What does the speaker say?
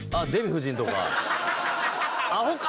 「アホか！」